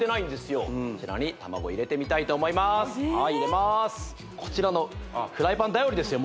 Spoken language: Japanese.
はい入れまーすこちらのフライパン頼りですよ